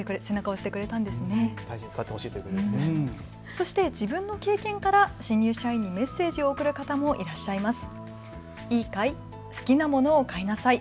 そして自分の経験から新入社員にメッセージを送る方もいらっしゃいます。